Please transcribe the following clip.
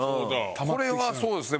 これはそうですね。